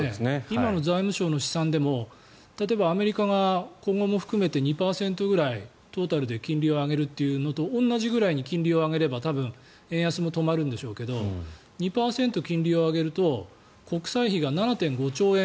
今の財務省の試算でも例えばアメリカが今後も含めて２％ぐらいトータルで金利を上げるというのと同じぐらいに金利を上げれば多分、円安も止まるんでしょうけど２％金利を上げると国債費が７．５兆円